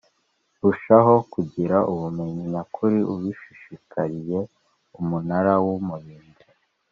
Rushaho kugira ubumenyi nyakuri ubishishikariye Umunara w Umurinzi